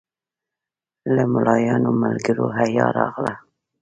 له ملایانو ملګرو حیا راغله.